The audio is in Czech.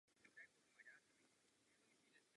Po sametové revoluci se vrátil k novinářské profesi.